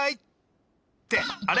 ってあれ？